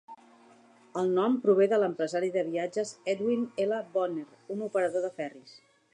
El nom prové de l'empresari de viatges Edwin L. Bonner, un operador de ferris.